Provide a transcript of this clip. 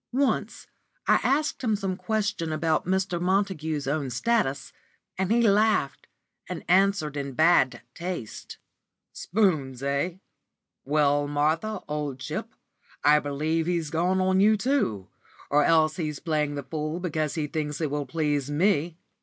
Once I asked him some question about Mr. Montague's own status, and he laughed, and answered in bad taste "Spoons, eh? Well, Martha, old chip, I believe he's gone on you, too, or else he's playing the fool because he thinks it will please me.